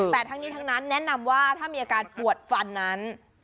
แต่ทั้งนี้ทั้งนั้นแนะนำว่าถ้ามีอาการปวดฟันนั้น